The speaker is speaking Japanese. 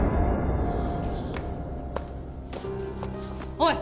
おい！